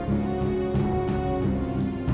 aku gak pernah mencintai kamu